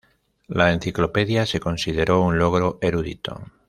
La enciclopedia se consideró un logro erudito.